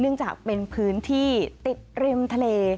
เนื่องจากเป็นพื้นที่ติดริมทะเล